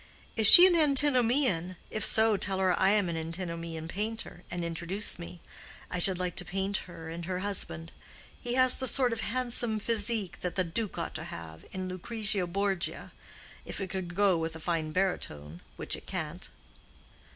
Is she an Antinomian—if so, tell her I am an Antinomian painter, and introduce me. I should like to paint her and her husband. He has the sort of handsome physique that the Duke ought to have in Lucrezia Borgia—if it could go with a fine baritone, which it can't."